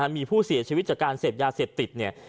มีผู้เสียชีวิตจากการเสพยาเสพติดเนี่ย